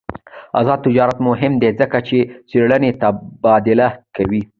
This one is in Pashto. آزاد تجارت مهم دی ځکه چې څېړنې تبادله کوي.